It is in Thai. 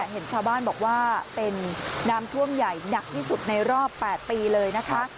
เห็นชาวบ้านบอกว่าเป็นน้ำท่วมใหญ่หนักที่สุดในรอบ๘ปีเลยนะคะ